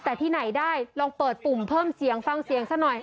แต่ที่ไหนได้ลองเปิดปุ่มเพิ่มเสียงฟังเสียงซะหน่อย